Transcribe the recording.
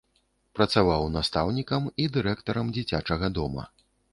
Працаваў настаўнікам і дырэктарам дзіцячага дома.